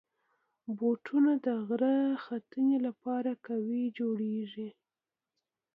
بوټونه د غره ختنې لپاره قوي جوړېږي.